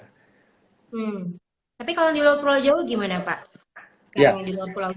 tapi kalau di luar pulau jawa gimana pak